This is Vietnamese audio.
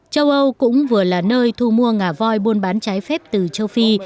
châu âu cũng vừa là nơi thu mua ngà voi buôn bán trái phép từ châu phi